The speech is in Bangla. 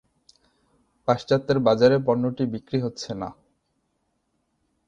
পাশ্চাত্যের বাজারে পণ্যটি বিক্রি হচ্ছে না।